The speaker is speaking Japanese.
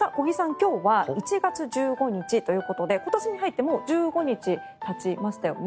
今日は１月１５日ということで今年に入ってもう１５日たちましたよね。